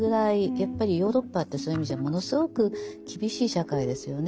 やっぱりヨーロッパってそういう意味じゃものすごく厳しい社会ですよね。